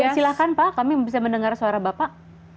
silahkan pak kami bisa mendengar suara bapak